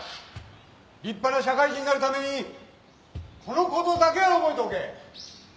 立派な社会人になるためにこのことだけは覚えておけ。